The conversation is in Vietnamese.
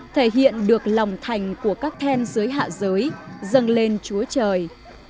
thể hiện được lòng thành của các then dưới hạ giới dâng lên chúa trời